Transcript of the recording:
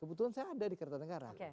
kebetulan saya ada di kertanegara